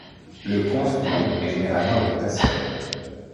Le contre-ion est généralement le potassium.